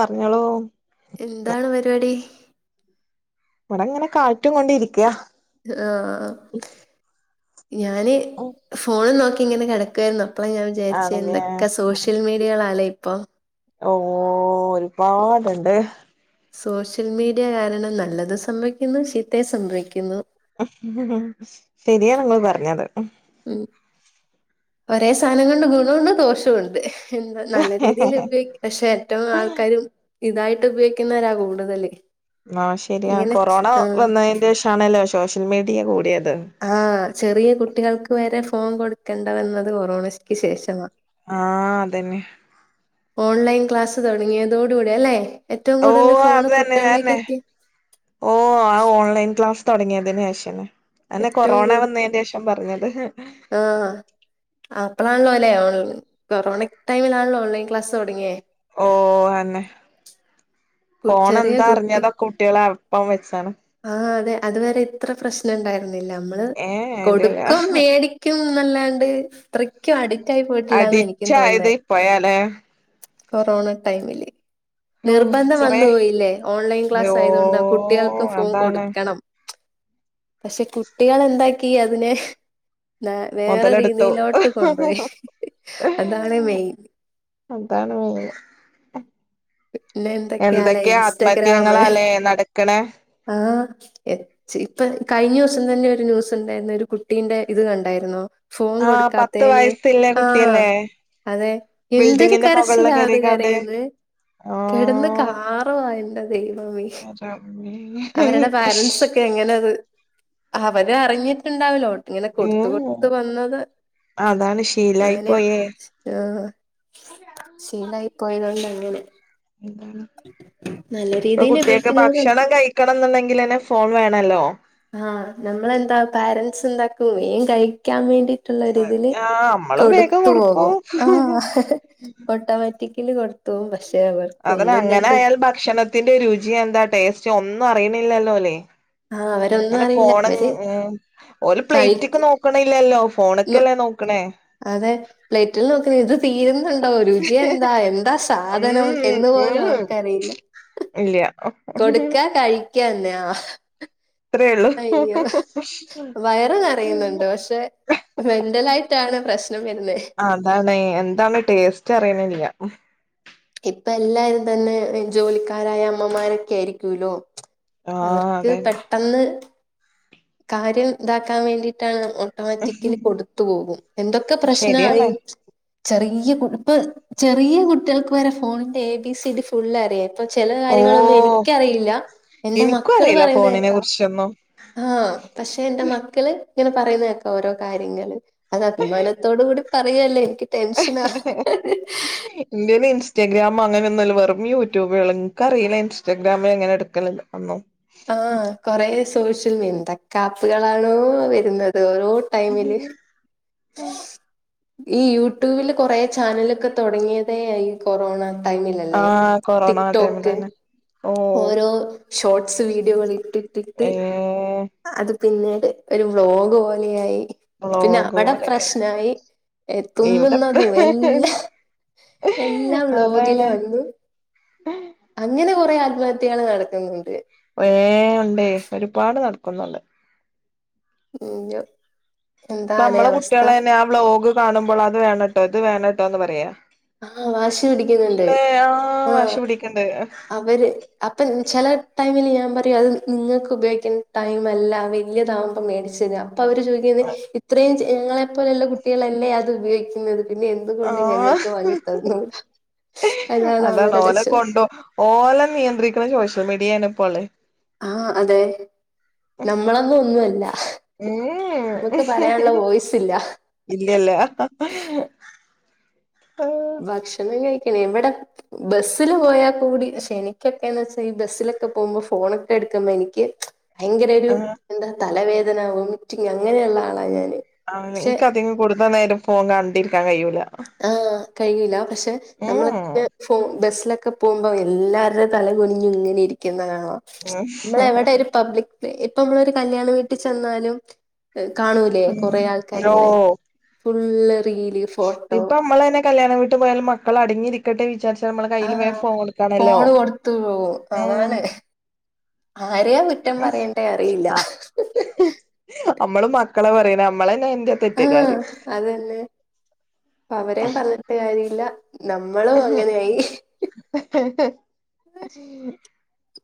പറഞ്ഞോളു. എന്താണ് പരിപാടി. ഇവെടെ ഇങ്ങനെ കാറ്റും കൊണ്ട് ഇരിക്ക. ആഹ്. ഞാന് ഫോണും. നോക്കി ഇങ്ങനെ കെടക്കേര്ന്നു. അപ്പം ഞാൻ വിചാരിച്ചത്. ആണല്ലേ എന്തൊക്കെ സോഷ്യൽ മീഡിയകളല്ലേ ഇപ്പം. ഓ ഒരുപാട്ണ്ട്. സോഷ്യൽ മീഡിയ കാരണം നല്ലത് സംഭവിക്കുന്നു. ചീത്തയെ സംഭവിക്കുന്നു. ശരിയാ നിങ്ങൾ പറഞ്ഞത്. ഉം ഒരേ സാധനം കൊണ്ട് ഗുണ ഉണ്ട്. ദോഷവുംഉണ്ട്. എന്താ നല്ല രീതിയിൽ ഉപയോഗി [unintelligible] പക്ഷെ ഏറ്റവും ആൾക്കാരും. ഇതായിട്ട് ഉപയോഗിക്കുന്നവരാ കൂടുതല്. ആഹ് ശരിയ. ഇങ്ങനെ കൊറോണ ആഹ് വന്നേന്റ ഷാണ്ലെ സോഷ്യൽ മീഡിയ കൂടിയത്. ആ ചെറിയ കുട്ടികൾക്ക് വരെ ഫോൺ കൊടുക്കണ്ട വെന്നത് കൊറോണക്ക് ശേഷമ. ആഹ് അതന്നെ. ഓൺലൈൻ ക്ലാസ്സ് തൊടങ്ങിയതോട് കൂടി അല്ലെ. ഏറ്റവും ഓ കൂടുതൽ ഫോണ് അത് തന്നെ കുട്ടികളിലേക്ക് അതന്നെ എത്തി ഓ ആ ഓൺലൈൻ ക്ലാസ് തൊടങ്ങിയതിന് ശേഷെന്നെ. അന്ന് ഏറ്റവും കൊറോണ വന്നന്റെ ശേഷം പറഞ്ഞത്. ആഹ് ആപ്പളാണല്ലോല്ലെ [unintelligible] കൊറോണിക് ടൈമിലാണല്ലോ ഓൺലൈൻ ക്ലാസ് തൊടങ്ങിയെ. ഓ അഹെന്നെ. കു- കോണ് ചെറിയ എന്താ കുട്ടി അറ്ഞ്ഞതും കുട്ട്യേള് അപ്പം വെച്ചാണ്. ആ അതെ. അതുവരെ ഇത്ര പ്രശ്നം ഇണ്ടായിരുന്നില്ല. നമ്മള് ഏ ഇല്ലല്ല കൊടുക്കും മേടി യ്ക്കും നല്ലാണ്ട് ഇത്രയ്ക്കും അഡിക്റ്റ് ആയി പോയിട്ടില്ലാന്ന എനിക്കും അഡിക്റ്റ് ആയത് തോന്നുംന്നെ. ഇപ്പഴാല്ലേ കൊറോണ ടൈമില്. ഓ നിർബന്ധം ചെറിയ വന്നുപോയില്ലേ. ഓൺലൈൻ ഓ ക്ലാസ് ആയത് കൊണ്ട് ആ കുട്ടികൾക്ക് ഫോൺ അതാണ് കൊടുക്കണം. പക്ഷെ കുട്ടികള് എന്താക്കി അതിനെ. ഇന്നാ വേറെ മുതലെടുത്തു രീതിയിലോട്ട് കൊണ്ടുപോയി. അതാണ് മെയിൻ അതാണ് മെയിൻ പിന്നെ എന്തൊക്കെയാണ് എന്തൊക്കെയ ഇൻസ്റ്റഗ്രാമ് ആത്മഹത്യങ്ങളാല്ലേ നടക്ക്ണേ? ആഹ് എചി ഇപ്പൊ കയിഞ്ഞ ദിവസം തന്നെ ഒരു ന്യൂസ് ഉണ്ടായിരുന്നു ഒരു കുട്ടീന്റെ ഇത് കണ്ടായിരുന്നോ? ഫോൺ ആ പത്ത് കൊടുക്കാത്തേന്, വയസ്സില്ലേ ആഹ് കുട്ടിയല്ലേ അതെ എന്തൊരു ബിൽഡിങ്ങിന്റെ മുകളില് കരച്ചിലാ അത് കേറിക്കാണ്ട് കരയുന്നെ. ആ കെടന്ന് കാറുവാ എന്റെ ദൈവമേ റബ്ബേ അവരുടെ പാരന്റ്സ് ഒക്കെ എങ്ങനെത് അവര് അറിഞ്ഞിട്ടുണ്ടാവിലാ ഇങ്ങനെ കൊടുത്ത് ഉം കൊടുത്ത് വന്നത്. അതാണ് ശീലായി പോയേ ആ ശീലായി പോയത്കൊണ്ടങ്ങനെ. എന്ത്ണ്, ഇപ്പൊ രീതിയിൽ കുട്ടിയ്ക്ക് ഉപയോഗിക്കുന്നവരുണ്ട് ഭക്ഷണം കഴി ക്കണം എന്നുണ്ടെങ്കിൽ തന്നെ ഫോൺ വേണല്ലോ ആഹ് നമ്മളെന്താ പാരൻറ്സ് എന്താക്കും വേം കഴിക്കാൻ വേണ്ടി ട്ടുള്ളൊരീതിൽ ആ നമ്മളും വേഗം കൊടുത്തു പോകും ആഹ. കൊടുക്കും ഓട്ടോമറ്റിക്കലി കൊടുത്തു പോകും പക്ഷേ അവർ അതന് അങ്ങനെ ആയാൽ ഭക്ഷണത്തിന്റെ രുചിയ എന്താ ടേസ്റ്റ് ഒന്നും അറിയണില്ലല്ലോല്ലേ ആഹ് ഒ ാല്. അവരൊന്നും ഓന അറിയില്ല ഫോണ് അവര് ങ്ങ് ഒ ാൽ പ്ലയിറ്റ്ക്ക് കഴിക്കുന്നു നോക്ക ക്കണില്ലല്ലോ ഫോണൊക്കെല്ലേ നോക്കണേ. അതെ പ്ലേറ്റിൽ നോക്കിന്ന് ഇത് തീരുന്നു ണ്ടൊ രുചി എന്താ എന്താ സാധനം എന്ന് പോലും അവർക്കറിയില്ല. ഇല്ല്യ കൊടുക്ക കഴിക്കന്നെയാ ആഹ് ഉള്ളൂ അയ്യോ വയറ് നിറയുന്നുണ്ട്. പക്ഷേ മെന്റലായിട്ടാണ് പ്രശ്നം വരുന്നെ ന്താണ് എന്താണ് ടേസ്റ്റ് അറിയ് ണില്ല. ഇപ്പൊ എല്ലാരും തന്നെ ജോലിക്കാരായ അമ്മമാരൊക്കെ ആയിരിക്കൂല്ലോ ആഹ് അവർക്ക് അതന്നെ പെട്ടെന്ന് കാര്യം ഇതാക്കാൻ വേണ്ടിയിട്ടാണ് ഓട്ടോമാറ്റിക്കലി കൊടുത്തു പോകും എന്തൊക്കെ ശരിയാണ് പ്രശ്നമായി ചെറിയ കു പ്പൊ ചെറിയ കുട്ടികൾക്ക് വരെ ഫോണിന്റെ A B C D full അറിയാൻ ഇപ്പൊ ചില ഓ കാര്യങ്ങളൊന്നും എനിക്കറിയില്ല എന്റെ എനിക്കും മക്കള് അറിയില്ല പറയുന്ന ഫോണിനെ കേക്കാ. കുറിച്ചൊന്നും ഹാ പക്ഷേ എന്റെ മക്കള് ഇങ്ങനെ പറയുന്ന കേക്കാം ഓരോ കാര്യങ്ങള്. അത് അഭിമാനത്തോട് കൂടി പറയല്ലേ എനിക്ക് ടെൻഷനാ ഇന്റെൽ ഇസ്റ്റഗ്രാം അങ്ങനെ ഒന്നുല്ല വെറും യൂട്യൂബെള്ളൂ. ഇന്ക്ക് അറിയില്ല ഇൻസ്റ്റാഗ്രാമ് എങ്ങനെ എടുക്കൽ എന്നോ ആഹ് കെറോസേഷ്യല് എന്തൊക്കെ ആപ്പുകളാണോ വരുന്നത് ഓരോ ടൈമില് ഈ യൂട്യൂബില് കൊറേ ചാനലൊക്കെ തുടങ്ങിയതേ ഈ കൊറോണ. ടൈമില്ലല്ലേ? ആഹ് കൊറോണ ടിക്ക് ആ ടോക്ക് ടൈമിലെന്നെ ഓ ഓരോ ഷോർട്സ് വീഡിയോകൾ ഇട്ടിട്ടിട്ട് ഏ അത് പിന്നീട് ഒരു വ്ലോഗ് പോലെ ആയി. പിന്നെ വ്ളോഗ് അവിടെ പോലെ പ്രശ്നായി എത്തു ഇവിടെ തിന്നുന്നതും എല്ലാം. എല്ലാം വ്ലോഗില് അതാണ് വന്നു അങ്ങനെ കൊറെ ആത്മഹത്യകൾ നടക്കുന്നുണ്ട്. കെറേ ഉണ്ടേ ഒരുപാട് നടക്കുന്നുണ്ട്. [unintelligible] ഇപ്പ എന്താലേ നമ്മള അവസ്ഥ കുട്ടികള് തന്നെ ആ വ്ലോഗ് കാണുമ്പോൾ അത് വേണംട്ടോ ഇത് വേണംട്ടോ എന്ന് പറയാ ആഹ് വാശി പിടിക്കുന്നുണ്ട് ഇല്ലേ ആഹ് വാശി പിടിക്കണ്ട് അവര് അപ്പൊ ചില ടൈമില് ഞാൻ പറയും അത് നിങ്ങൾക്ക് ഉപയോഗിക്കേണ്ട ടൈം അല്ല വലിയതാകുമ്പം മേടിച്ചരാം അവര് ചോദിക്കുന്നത് ഇത്രയും ഞങ്ങളെപ്പോലുള്ള കുട്ടികളല്ലേ അത് ഉപയോഗിക്കുന്നത് പിന്നെ എന്തുകൊണ്ട് ആഹ് ഞങ്ങൾക്ക് വാങ്ങി തന്നൂട അതാണ് അവരുടെ ഓലെ ചോദ്യം കൊണ്ടോ ഓലെ നിയന്ത്രിക്കണ സോഷ്യൽ മീഡിയ ആണ് ഇപ്പോള്ളേ ആഹ് അതെ നമ്മളന്നും ഒന്നുമല്ല ഉം നമ്മക്ക് പറയാനുള്ള വോയിസില്ല ഇല്ലല്ലാ ഭക്ഷണം കഴിക്കണം എവിട ബസ്സില് പോയാൽ കൂടി പക്ഷെ എനിക്കൊക്കെ എന്ന് വെച്ചാ ഈ ബസ്സിലൊക്കെ പോകുമ്പോ ഫോണൊക്കെ എടുക്കുമ്പോ എനിക്ക് ഭയങ്കര ഒരു ആഹ് എന്താ തലവേദന വൊമിറ്റിങ് അങ്ങനെയുള്ള ആളാ ഞാന് ആഹ് പക്ഷെ എനിക്ക് അധിക കുടുത നേരം ഫോൺ കണ്ടിരിക്കാൻ കഴിയൂല്ല ആഹ് കഴിയില്ല പക്ഷെ ഉം നമ്മളെക്കെ ഫോ ബസ്സിലൊക്കെ പോകുമ്പവെ എല്ലാവരുടെ തലകുന്നിഞ്ഞു ഇങ്ങനെ ഇരിക്കുന്ന കാണാം നമ്മള എവിടെ ഒരു പബ്ലിക് ഇപ്പൊ നമ്മളൊരു കല്യാണ വീട്ടിൽ ചെന്നാലും കാണൂലേ കൊറെ നോ ആൾക്കാരിങ്ങനെ ഫുള്ള് റീല് ഫോട്ടോ ഇപ്പൊ നമ്മള് തന്നെ കല്യാണം വീട്ടി പോയാലും മക്കൾ അടങ്ങിരി ക്കട്ടെ വിചാരിച്ച നമ്മള് കയ്യിൽ ആഹ് വേം ഫോൺ കൊടുക്കാണല്ലോ ഫോണ് കൊടുത്തു ഏഹ് ആരെയ കുറ്റം പറയണ്ടേ അറിയില്ല ആ നമ്മള് മക്കള പറയുന്ന് നമ്മള് തന്ന അയിന്റ ആഹ് അതന്നെ അവരേംപറഞ്ഞിട്ട് കാര്യമില്ല നമ്മളും അങ്ങനെയായി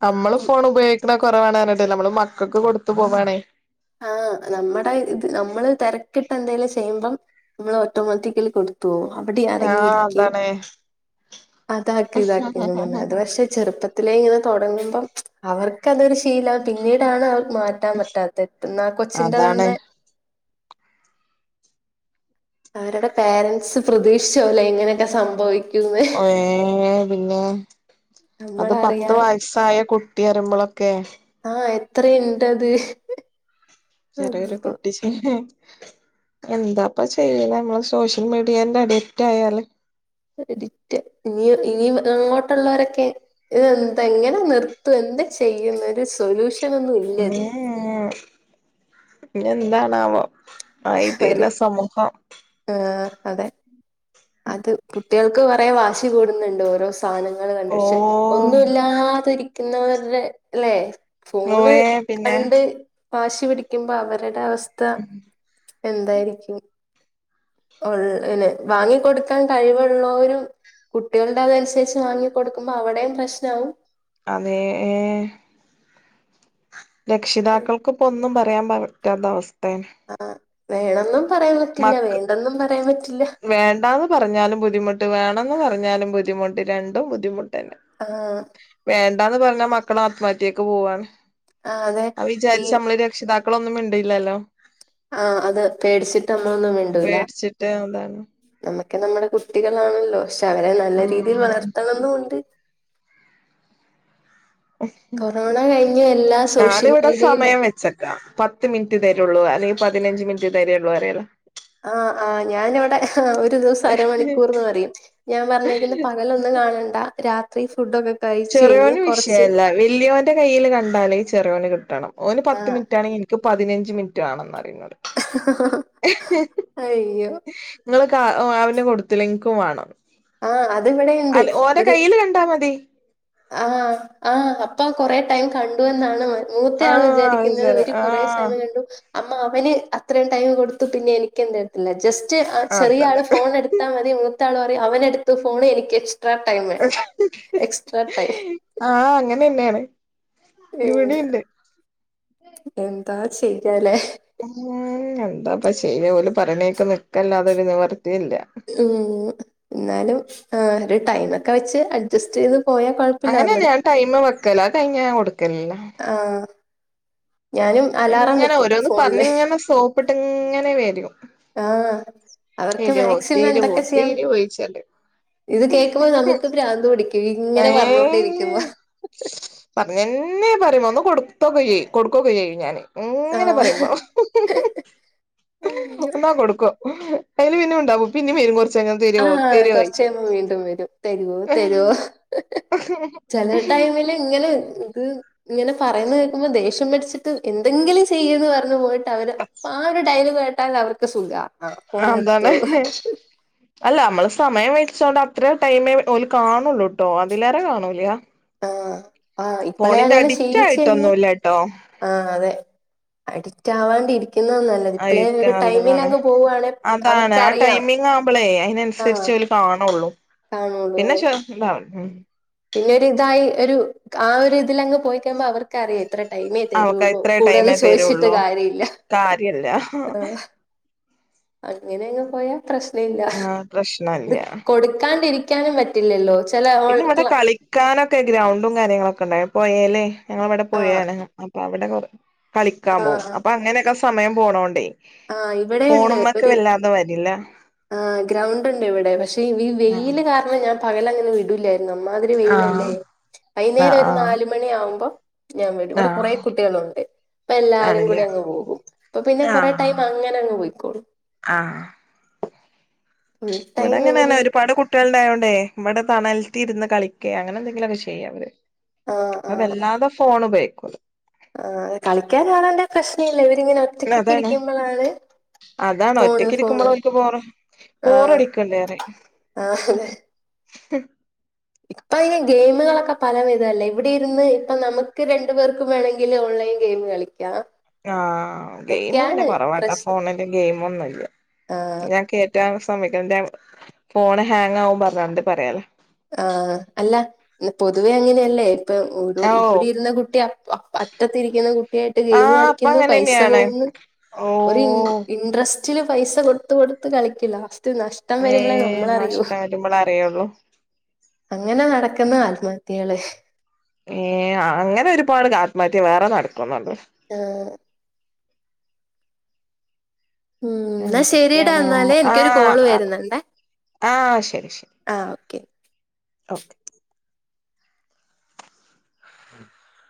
നമ്മളും ഉം. ഫോൺ ഉപയോഗിക് ക്കുന്ന കുറവാണന്ന്പറഞ്ഞിട്ടേ നമ്മള് മക്കൾക്ക് കൊടുത്തു പോകാണേ ആഹ് നമ്മുടെ ഇത് നമ്മള് തിരക്കിട്ട് എന്തെങ്കിലും ചെയ്യ്മ്പം നമ്മൾ ഓട്ടോമാറ്റിക്കൽ കൊടുക് അവിടെ ആഹ് അടങ്ങിരിയിക്ക് അതാണ് അതാക്ക് ഇതാക്കെന്നും പറഞ്ഞ് അത് പക്ഷെ ചെറുപ്പത്തിലേ ഇങ്ങനെ തുടങ്ങുമ്പം അവർക്ക് അതൊരു ശീലവ പിന്നീടാണ് അവർ മ കിട്ടാൻ പറ്റാത്തെ ഇന്നാ കൊച്ചിൻ്റെ അതാണ് തന്നെ അവരുടെ പേരന്റ്സ് പ്രതീക്ഷിച്ചോ ലേ ഇങ്ങനെയൊക്കെ സംഭവിക്കും ഏഹ് പിന്നെ അത് പത്ത് നമ്മളറിയാൻ വയ് സായ കുട്ടി അരുമ്പളൊക്കെ ആഹ് എത്ര ഇണ്ടത് ചെറിയ ഒരു കുട്ടി എന്താപ്പ ചെയ്യല് നമ്മള് സോഷ്യൽ മീഡിയന്റെ അഡിക്റ്റ് ആയാല് അഡിക്റ്റ ഇനി ഇനിയും അങ്ങോട്ടുള്ളവരൊക്കെ ഇതെന്താ എങ്ങനെ നിർത്തും എന്താ ചെയ്യുന്ന ഒരു സൊല്യൂഷൻ ഒന്നും ഇല്ല ഉം ഇതിന് പിന്നെ എന്താണാവോ ആഹ് ഇതന്ന വരും സമൂഹം ആഹ് അതെ അത് കുട്ടികൾക്ക് കൊറെ വാശി കൂടുന്നുണ്ട് ഓരോ സാധനങ്ങൾ ഓ കണ്ടിട്ട് ഒന്നുല്ലാതിരിക്കുന്നവരുടെ അല്ലെ ഫോണ് ഓയേ പിന്നെ കണ്ട് വാശി പിടിക്കുമ്പോ അവരുടെ അവസ്ഥ എന്തായിരിക്കും ഉളളന്നെ വാങ്ങി വാങ്ങി കൊടുക്കാൻ കഴിവുള്ളോരും കുട്ടികളുടെ അതനുസരിച്ച് വാങ്ങി കൊടുക്കുമ്പോ അവിടെയും പ്രശ്നാവും അതേ രക്ഷിതാക്കൾക്കിപ്പ ഒന്നും പറയാൻ പ പറ്റാത്ത അവസ്ഥയേണ്. ആ വേണെന്നും പറയാൻ പറ്റില്ല മക്ക വേണ്ടെന്നും പറയാൻ പറ്റില്ല. വേണ്ടാന്ന് പറഞ്ഞാലും ബുദ്ധിമുട്ട് വേണന്ന് പറഞ്ഞാലും ബുദ്ധിമുട്ട് രണ്ടും ബുദ്ധിമുട്ട് തന്നെ. ആഹ് വേണ്ടന്ന് പറഞ്ഞാ മക്കള ആത്മമാഹത്യക്ക് പോവാണ് ആഹ് അതെ അത് ഈ വിചാരിച്ച് നമ്മള് രക്ഷിതാക്ക മക്കളൊന്നും മിണ്ടില്ലല്ലോ ആഹ് അത് പേടിച്ചിട്ട് നമ്മൊന്നും മിണ്ടൂല്ല. പേടിച്ചിട്ട് അതാണ് നമ്മക്കെ നമ്മുടെ കുട്ടികളാണല്ലോ പക്ഷെ അവരെ നല്ല രീതിയിൽ ഉം വളർത്തണന്നുണ്ട്. കൊറോണ കഴിഞ്ഞ് എല്ലാ സോഷ്യൽ ഞാനിവിടെ മീഡിയയില് സമയം വെ ഉച്ചക്കാ പത്ത് മിനിറ്റ് തരള്ളു അല്ലെങ്കിൽ പതിനഞ്ച് മിനിറ്റ് തരള്ളു പറയല. ആ ആ ഞാനിവിടെ ഒരു ദിവസം അരമണിക്കൂർന്ന് പറയും. ഞാൻ പറഞ്ഞേക്കുന്ന പകലൊന്നും കാണണ്ട രാത്രി ഫുഡൊക്കെ ക ചെറിയോന് വിഷയല്ല വലിയോന്റെ കയ്യിൽ കണ്ടാലേ ചെറിയോന് കിട്ടണം ഓന് പത്ത് ആഹ് മിനിറ്റാണെങ്കി ഇൻ ഇന്ക്ക് പതിനഞ്ച് മിനിറ്റ് വാണന്നറിയും ഇന്നോട് അയ്യോ നിങ്ങൾ ക അവൻ കൊടുത്തിലെ ഇൻകും വാണം ആഹ് അതിവിടെണ്ട് അല്ല ഓര ഒരു കയ്യില് കണ്ടാ മതി ആഹ് ആഹ് അപ്പ കൊറെടൈം കണ്ടു എന്നാണ് മന മൂത്ത ആൾ ആഹ് അത് വിചാരിക്കുന്നത് ശരി ഒരു കൊറേ ആഹ് സമയം കണ്ടു അമ്മ അവന് അത്രയും ടൈം കൊടുത്തു പിന്നെ എനിക്ക് ജസ്റ്റ് ആ ആഹ് ചെറിയ തന്നെ ആള് ഫോൺ എടുത്താൽ മതി മൂത്ത ആൾ പറയും അവന് എടുത്ത് ഫോൺ എനിക്ക് എക്സ്ട്രാ ടൈം വേണം എക്സ്ട്രാ ടൈം ആഹ് അങ്ങന തന്നെയാണ് ഉം ഇവിടെണ്ട് എന്താ ചെയ്യാലേ ഉം എന്താപ ചെയ്യാ ഓൽ പറിണേക്കെ നിക്കല്ലാതൊരു നിവർത്തിയില്ല. ഉം എന്നാലും ആ ഒരു ടൈമ ഒക്കെ വെച്ച് അഡ്ജസ്റ്റ് ചെയ്ത് പോയാൽ അങ്ങനെന്നെ ഞാൻ ടൈം വെക്കല അത് കഴിഞ്ഞാ ഞാൻ കൊടുക്കലില്ല ആഹ് ഞാനും അലാറം ഇങ്ങനെ വെക്കും ഓരോന്ന് ഫോണില് പറഞ്ഞ് ഇങ്ങനെ സോപ്പിട്ട് ഇങ്ങനെ വരും. ആഹ് അവർക്ക് തരോ മാക്സിമം തരോ എന്തൊക്കെ ചെയ്യാം. തരോയ്ച്ചാണ്ട് ഇത് കേൾക്കുമ്പോ നമുക്ക് ഭ്രാന്ത് പടിക്കും ഇങ്ങനെ പറഞ്ഞോണ്ടിരിക്കുമ്പോ പറഞ്ഞെന്നെ പറിമ്പോ ഒന്ന് കൊടുത്തൊക്കെ ചെയ്യും കൊടുക്കൊക്കെ ചെയ്യും ഞാന് അങ്ങനെ ആഹ് പറയുമ്പോ അയ്യോ ഒന്നാട് കൊടുക്കും. അതില് പിന്നെ മിണ്ടാകും പിന്നെ വരും കൊറ ആ കുറച്ചയ്യുമ്പോ വീണ്ടും വരും തരുവോ തരുവോ ചില ടൈമില് ഇങ്ങനെ ഇത് ഇങ്ങനെ പറയുന്നത് കേൾക്കുമ്പോ ദേഷ്യം പിടിച്ചിട്ട് എന്തെങ്കിലും ചെയ്യന്ന് പറഞ്ഞ് പോയിട്ട് അവര് അപ്പൊ ആ ഒരു ഡയലോഗ് കേട്ടാൽ അവർക്ക് സുഖ. ആഹ് അതാണ് അല്ല നമ്മള് സമയം വെച്ചോണ്ട് അത്ര ടൈമേ ഓല് കാണുള്ളൂട്ടോ അതിലേറേ കാണൂല. ആഹ് ആ ഇപ്പളെ ഫോണിന്റെ അങ്ങനെ അഡിക്റ്റ് ശീലിച്ച് കഴിഞ്ഞ ആയിട്ടൊന്നുല്ലട്ടോ ആ അതെ അഡിറ്റ് ആവാണ്ടി ഇരിക്കുന്ന നല്ലേ. ആയിരിക്ക നല്ലതണെ അതാണ് ആ അവർക്കറിയാം ടൈംമിങ് ആവുമ്പളേ അതിനനുസരിച്ച് ആഹ് ഓൽ ഇപ്പ ആവണേ ഉള്ളൂ [unintelligible] പിന്നെ ചേർക്കണ്ട ആവിശ്യം ഇല്ല പിന്നെ ഒരു ഇതായി ഒരു ആ ഒരു ഇതിലങ്ങ് പോയിക്കഴുമ്പോ അവർക്ക് അറിയാം ഇത്ര ടൈമേ അവക്ക് തെരുവുള്ളൂ ഇത്രേ കൂടുതല് ടൈമേ ചോയ്ച്ചിട്ട് തരുള്ളൂ കാര്യല്ല കാര്യല്ല ആഹ് അങ്ങനെ അങ്ങ് പോയാ പ്രശ്നമില്ല ആ ഇത് പ്രശ്നല്ല കൊടുക്കാണ്ടിരിക്ക ചോദിക്കാനും പറ്റില്ലല്ലോ ചെല ഓൾ ക്ലാ ക്കാനൊക്കെ ഗ്രൗണ്ടും കാര്യങ്ങളൊക്കെ ഉണ്ടായി പൊഴേലേ ഞങ്ങളവടെ ആ പൊഴയാണ് അപ്പൊ അവിടെ കൊറ - കളിക്കാൻ ആ പോവും അപ്പൊ അങ്ങനൊക്കെ സമയം പോണോണ്ടേ ആ ഇവിടെ ഒണ്ട് ഫോണുമ്മക്ക് ഒരു- വല്ലാതെ വരില്ല ആ ഗ്രൗണ്ട് ഒണ്ട് ഇവടെ പക്ഷെ ഈ ആ വെയില് കാര അങ്ങനെ ഞാൻ പകലങ്ങനെ വിടൂല്ലായിരുന്നു അമ്മാതിരി ആ വെയിലല്ലേ ആ വൈന്നേരം ഒരു നാല് ആ മണി ആവുമ്പം - ഞാൻ വിടും ആ ഇവിടെ കൊറേ കുട്ടികളുണ്ട് അപ്പൊല്ലാരും കൂടി ആണല്ലേ അങ്ങ് പോകും അപ്പ പിന്നെ ആ കൊറേ - ടൈം അങ്ങനെങ്ങ് പോയ്ക്കോളും ആ ഇവിടെ അങ്ങനെ എങ്ങനെ തന്നേ ഇരി ഒരുപാട് കു ട്ടികളണ്ടായൊണ്ടേ ഇവടെ തണൽത്തിരുന്ന് കളിക്കെ അങ്ങനെ എന്തെങ്കിലൊക്കെ ചെയ്യും അവര് ആ അപ്പ വല്ലാതെ ഫോണുപയോഗിക്കൂല ആ കളിക്കാനാളുണ്ടേൽ പ്രശ്നമില്ല ഇവരിങ്ങനെ പിന്നെ ഒറ്റക്കൊക്കെ അതാണ് ഇരിക്കുമ്പോളാണ്- അതാണ് ഒറ്റക്കിരിക്കുമ്പോ ഓൾക്ക് ബോറ് ആഹ് ബോറടിക്ക്ണ്ട് പറയും ആഹ് അതെ [inaudible] ഇപ്പൊ ഈ ഗെയിമുകളൊക്കെ പല വിധവല്ലേ ഇവിടെ ഇരുന്ന് ഇപ്പ നമുക്ക് രണ്ടു പേർക്കും വേണെങ്കി- എങ്കില് ഓൺലൈൻ ഗെയിമ് കളി ആ ഗെയിം പിന്നെ കൊറവാട്ടാ പ്രശ്നം ഫോണില് ഗെയിമൊന്നുംമില്ല ആഹ് ഞാൻ കേ മാറ്റാൻ സമ്മയിക്കേണ്ട ഫോണ് ഹാങ് ആകും പറഞ്ഞാണ്ട് പറയലാ ആ അല്ലാ പൊതുവെ അങ്ങനെയല്ലേ ഇപ്പൊ ഒരു ഓ ഇവിടെ ഇരുന്ന കുട്ടി അ അറ്റത്തിരിക്കുന്ന കുട്ടിയായിട്ട് ഗെയിം ആഹ് ഇപ്പ കളിക്കുന്നു പൈസ അങ്ങനെന്നെയാണ് പോവുന്നു ഓ ഒരു ഇൻ ഇൻട്രസ്റ്റ്- റ്റില് പൈസ കൊടുത്ത് കൊടുത്ത് കളിക്കലാ ലാസ്റ്റ് നഷ്ടം വരുമ്പളേ നമ്മളറിയൂ നമ്മളേ അറിയോള്ളൂ അങ്ങനെ നടക്കുന്ന ആത്മഹത്യകള് ഏയ് അങ്ങനെ ഒരുപാട് ആത്മഹത്യ വേറെ നടക്കുന്നുണ്ട് ആഹ് ഉം എന്നാ ശരിയെടാ എന്തൊക്കെയാണോ എന്നാലേ എനിക്കൊരു കോള് ആഹ് വരുന്നുണ്ടേ ആഹ് ശരി ശരി ആ ഓക്കെ ഓക്കെ [inaudible]